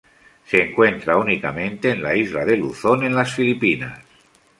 Se encuentra únicamente en la isla de Luzón, en las Filipinas.